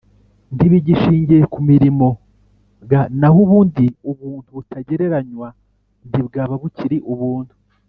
Ntibigishingiye ku mirimo g naho ubundi ubuntu butagereranywa ntibwaba bukiri ubuntu